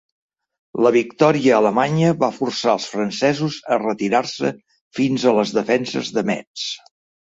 La victòria alemanya va forçar als francesos a retirar-se fins a les defenses de Metz.